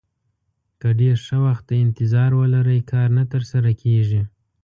که ډېر ښه وخت ته انتظار ولرئ کار نه ترسره کېږي.